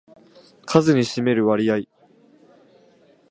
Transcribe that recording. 数に占める割合